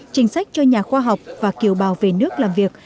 chính sách cho nhà khoa học và kiều bào về nước làm việc